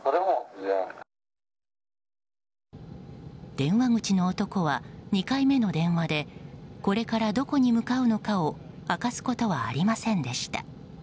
電話口の男は２回目の電話でこれからどこに向かうのかを明かすことはありませんでした。